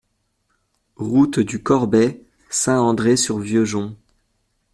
Route du Corbet, Saint-André-sur-Vieux-Jonc